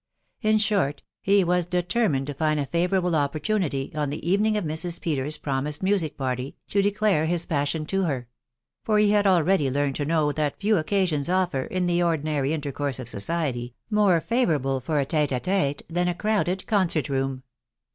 In short, he was determined to find a favourable op portunity, on the evening of Mrs. Peters's promised music party, to declare his passion to her; for he had already learned to know that few occasions offer, in the ordinary intercourse of society, more favourable for a t£te a t£te than a crowded concert room.